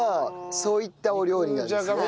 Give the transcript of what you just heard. そういったお料理なんですね。